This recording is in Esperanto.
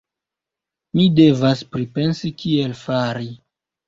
Mi devas pripensi kiel fari.